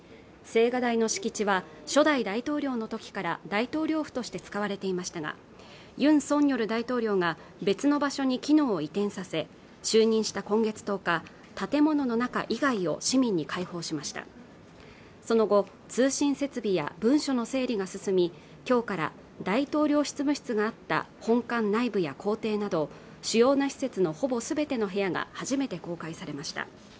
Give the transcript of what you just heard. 青瓦台の敷地は初代大統領のときから大統領府として使われていましたがユン・ソンニョル大統領が別の場所に機能を移転させ就任した今月１０日建物の中以外を市民に開放しましたその後通信設備や文書の整理が進みきょうから大統領執務室があった本館内部や公邸など主要な施設のほぼすべての部屋が初めて公開されました